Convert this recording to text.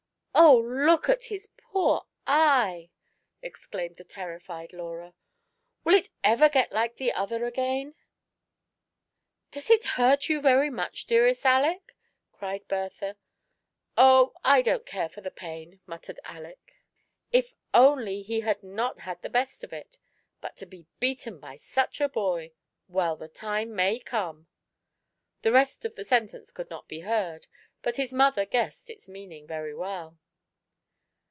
"Oh, look at his poor eye!" exclaimed the terrified Laura ;" will it ever get like the other again ?" ''Does it hurt you very much, dearest Aleck ?" cried Bertha. "Oh, I don't care for the pain," muttered Aleck, ^'if only he had not had the best of it ; but to be beaten by such a boy ! well the time may come "— the rest of the sentence could not be heard, but his mother guessed its meaning very well.